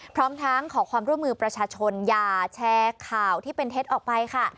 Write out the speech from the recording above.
พร้อมทั้งขอความร่วมมือประชาชนอย่าแชร์ข่าวที่เป็นเท็จออกไปค่ะ